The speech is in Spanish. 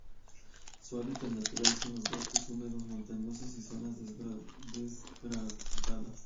Su hábitat natural son los bosques húmedos, montanos y zonas degradadas.